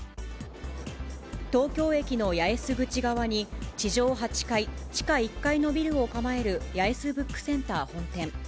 東京駅の八重洲口側に、地上８階、地下１階のビルを構える八重洲ブックセンター本店。